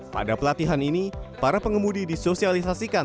pada pelatihan ini para pengemudi disosialisasikan